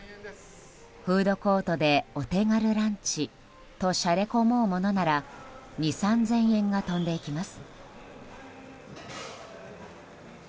フードコートでお手軽ランチとしゃれ込もうものなら２０００３０００円が飛んでいきます。